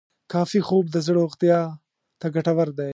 کافي خوب د زړه روغتیا ته ګټور دی.